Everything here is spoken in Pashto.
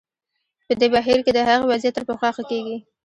په دې بهیر کې د هغوی وضعیت تر پخوا ښه کېږي.